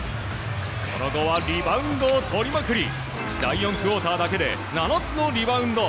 その後はリバウンドをとりまくり第４クオーターだけで７つのリバウンド。